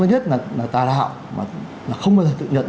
nhất là tà đạo mà không bao giờ tự nhận